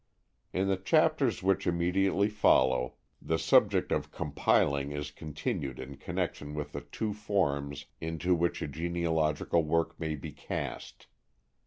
In the chapters which immediately follow, the subject of "compiling" is continued in connection with the two forms into which a genealogical work may be cast.